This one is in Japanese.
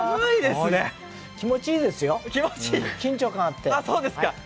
気持ちいいですよ、緊張感があって。